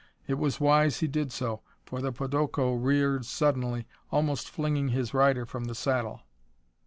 It was wise he did so, for the podoko reared suddenly, almost flinging his rider from the saddle.